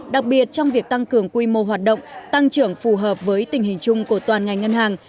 đặc biệt trong việc tăng cường quy mô hoạt động tăng trưởng phù hợp với tình hình chung của toàn ngành ngân hàng